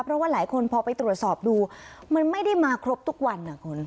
เพราะว่าหลายคนพอไปตรวจสอบดูมันไม่ได้มาครบทุกวันนะคุณ